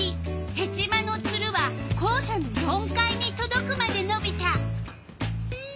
ヘチマのツルは校舎の４階にとどくまでのびた。